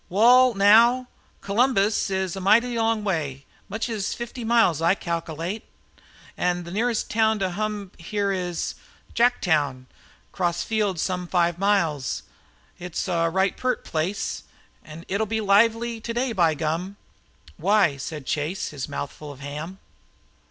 "Wal, now, Columbus is a mighty long way, much as fifty miles, I calkilate. An' the nearest town to hum here is Jacktown, cross fields some five miles. It's a right pert place. It'll be lively today, by gum!" "Why?" said Chase, with his mouth full of ham.